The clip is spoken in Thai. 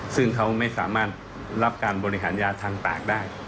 ซึ่งเขาไม่สามารถรับการบริหารยาทางตากได้